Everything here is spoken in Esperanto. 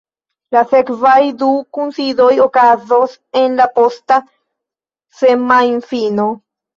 La sekvaj du kunsidoj okazos en la posta semajnfino.